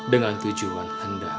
dengan tujuan hendak